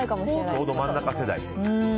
ちょうど真ん中世代。